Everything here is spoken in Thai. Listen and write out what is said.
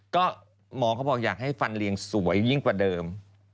ก็หมอเขาบอกอยากให้ฟันเรียงสวยยิ่งกว่าเดิม